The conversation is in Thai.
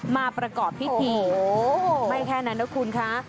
มาประกอบพิธีไม่แค่นั้นนะคุณคะ